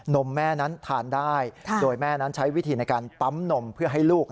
มแม่นั้นทานได้โดยแม่นั้นใช้วิธีในการปั๊มนมเพื่อให้ลูก